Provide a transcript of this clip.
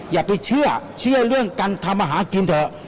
อย่าไปเชื่อเชื่อเรื่องการทำอาหารกินเถอะ